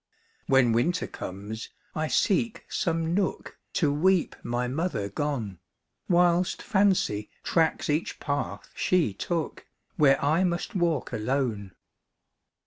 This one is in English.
"When winter comes, I seek some nook, To weep my mother gone, Whilst fancy tracks each path she took, Where I must walk alone.